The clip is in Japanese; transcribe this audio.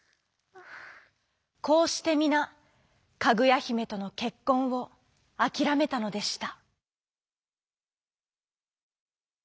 こうしてみなかぐやひめとのけっこんをあきらめたのでした。